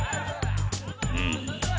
うん。